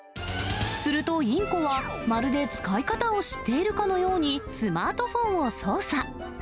するとインコは、まるで使い方を知っているかのようにスマートフォンを操作。